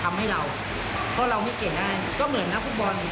ทำให้เราเพราะเราไม่เก่งได้ก็เหมือนนักฟุตบอล